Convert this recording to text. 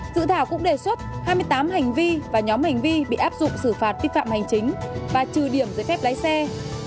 dự thảo cũng đề xuất hai mươi tám hành vi và nhóm hành vi bị áp dụng xử phạt vi phạm hành chính và trừ điểm giấy phép lái xe